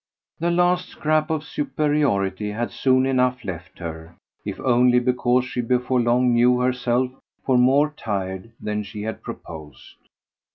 The last scrap of superiority had soon enough left her, if only because she before long knew herself for more tired than she had proposed.